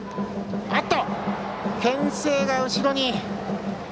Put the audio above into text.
あっと、けん制が後ろに。